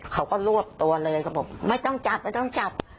เขาก็รวบตัวเลยเขาบอกไม่ต้องจับไม่ต้องจับ